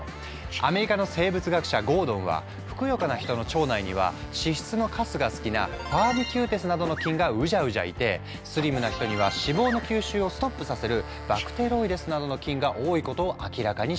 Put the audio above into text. アメリカの生物学者ゴードンはふくよかな人の腸内には脂質のかすが好きなファーミキューテスなどの菌がウジャウジャいてスリムな人には脂肪の吸収をストップさせるバクテロイデスなどの菌が多いことを明らかにしたんだ。